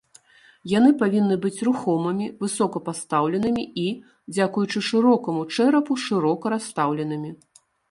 Яны павінны быць рухомымі, высока пастаўленымі і, дзякуючы шырокаму чэрапу, шырока расстаўленымі.